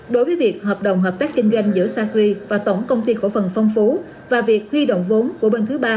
đối với việc hợp đồng hợp tác kinh doanh giữa sacri và tổng công ty cổ phần phong phú và việc huy động vốn của bên thứ ba